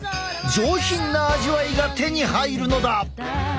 上品な味わいが手に入るのだ！